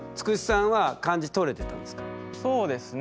そうですね。